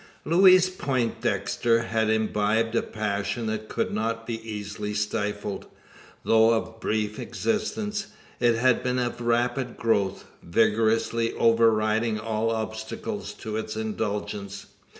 Louise Poindexter had imbibed a passion that could not be easily stifled. Though of brief existence, it had been of rapid growth vigorously overriding all obstacles to its indulgence.